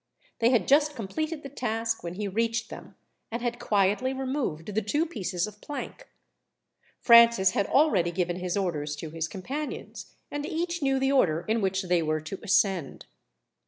They had just completed the task when he reached them, and had quietly removed the two pieces of plank. Francis had already given his orders to his companions, and each knew the order in which they were to ascend.